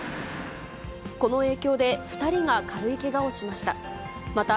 この影響で、２人が軽いけがをしました。